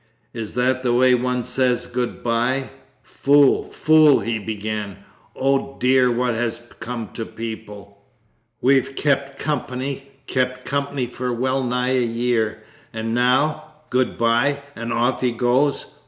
'Is that the way one says "Good bye"? Fool, fool!' he began. 'Oh dear, what has come to people? We've kept company, kept company for well nigh a year, and now "Good bye!" and off he goes!